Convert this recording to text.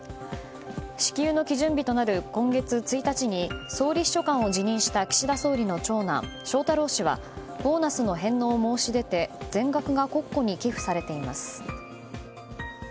支給の基準日となる今月１日に総理秘書官を辞任した岸田総理の長男・翔太郎氏はボーナスの返納を申し出て全額が国庫に寄付されています。